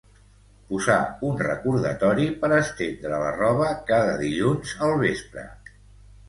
Posa un recordatori per estendre la roba cada dilluns al vespre.